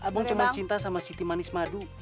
bang cuman cinta sama siti manis madu